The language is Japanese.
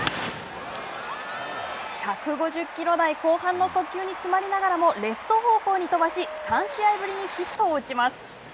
１５０キロ台後半の速球に詰まりながらもレフト方向に飛ばし３試合ぶりにヒットを打ちます。